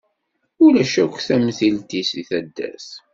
Ulac akk tamtilt-is di taddart.